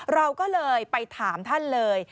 เราก็เลยไปถามท่านเลย